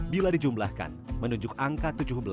bila dijumlahkan menunjuk angka tujuh belas